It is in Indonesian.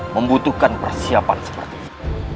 membutuhkan persiapan seperti ini